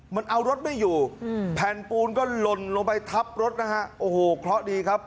มันเอารถไม่อยู่แผ่นปูนก็หล่นลงไปทับรถนะฮะโอ้โหเคราะห์ดีครับ